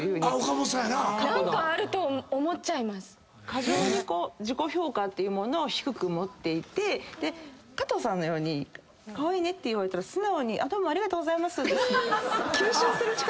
過剰に自己評価っていうものを低く持っていて加藤さんのようにカワイイねって言われたら素直にどうもありがとうございますって。